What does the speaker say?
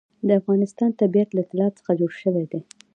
د افغانستان طبیعت له طلا څخه جوړ شوی دی.